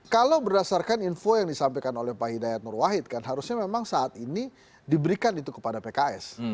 kalau berdasarkan info yang disampaikan oleh pak hidayat nur wahid kan harusnya memang saat ini diberikan itu kepada pks